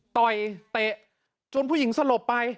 ต่อยเตะจนผู้หญิงสลบไป